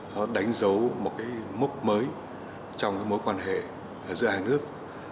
nó đánh dấu một cái mốc mới trong mối quan hệ giữa hàng nước